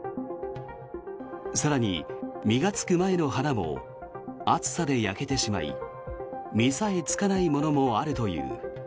更に、実がつく前の花も暑さで焼けてしまい実さえつかないものもあるという。